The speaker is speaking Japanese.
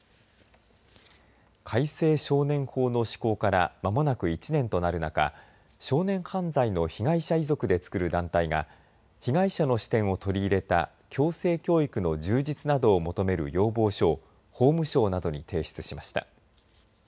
改正少年法の施行からまもなく１年となる中少年犯罪の被害者遺族でつくる団体が被害者の視点を取り入れた矯正教育の充実などを求める要望書を法務省などに提出しました。